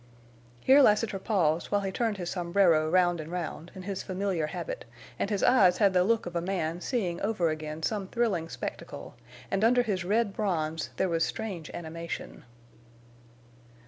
Here Lassiter paused while he turned his sombrero round and round, in his familiar habit, and his eyes had the look of a man seeing over again some thrilling spectacle, and under his red bronze there was strange animation.